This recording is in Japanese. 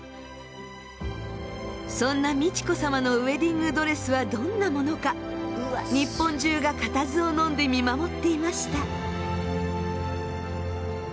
そんな美智子さまのウエディングドレスはどんなものか日本中が固唾をのんで見守っていました。